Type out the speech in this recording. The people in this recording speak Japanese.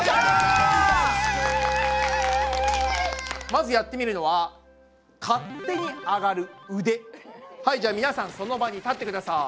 まずやってみるのははいじゃあ皆さんその場に立ってください。